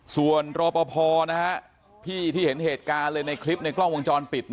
ส่วนรอปภพี่ที่เห็นเหตุการณ์เลยในคลิปในกล้องวงจรปิด